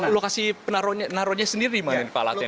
lokasi penaruhnya naruhnya sendiri di mana pak latin